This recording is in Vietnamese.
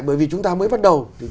bởi vì chúng ta mới bắt đầu